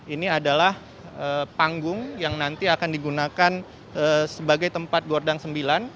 ini adalah panggung yang nanti akan digunakan sebagai tempat gordang sembilan